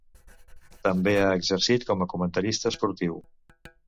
També ha exercit com a comentarista esportiu.